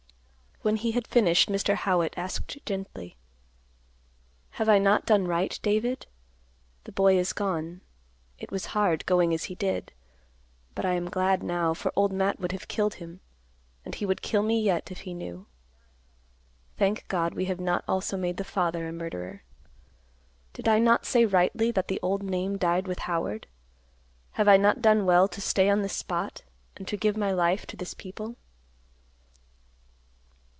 When he had finished, Mr. Howitt asked gently, "Have I not done right, David? The boy is gone. It was hard, going as he did. But I am glad, now, for Old Matt would have killed him, as he would kill me yet, if he knew. Thank God, we have not also made the father a murderer. Did I not say rightly, that the old name died with Howard? Have I not done well to stay on this spot and to give my life to this people?"